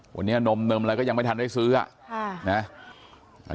วันนี้นมอะไรก็ยังไม่ทันได้ซื้ออะ